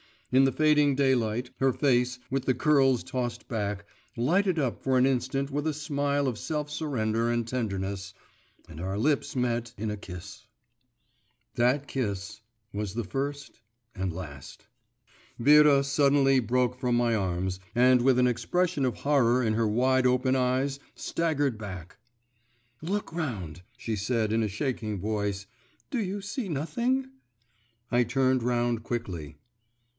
In the fading daylight, her face, with the curls tossed back, lighted up for an instant with a smile of self surrender and tenderness, and our lips met in a kiss.… That kiss was the first and last. Vera suddenly broke from my arms and with an expression of horror in her wide open eyes staggered back 'Look round,' she said in a shaking voice; 'do you see nothing?' I turned round quickly.